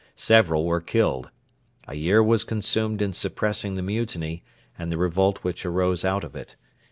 Several were killed. A year was consumed in suppressing the mutiny and the revolt which arose out of it.